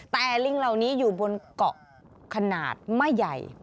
แต่ลิงเหล่านี้อยู่บนเกาะขนาดไม่ใหญ่